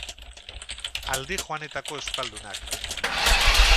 Aldi joanetako euskaldunak.